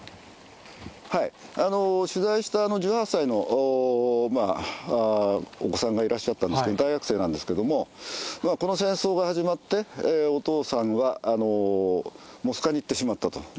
取材した１８歳のお子さんがいらっしゃったんですけど、大学生なんですけども、この戦争が始まって、お父さんはモスクワに行ってしまったと。